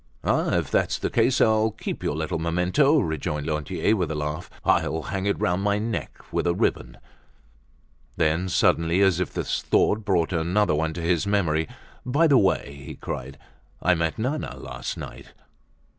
"Ah, if that's the case, I'll keep your little memento!" rejoined Lantier with a laugh. "I'll hang it round my neck with a ribbon." Then suddenly, as if this thought brought another one to his memory, "By the way," he cried, "I met Nana last night."